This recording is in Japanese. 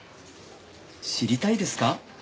知りたいですか？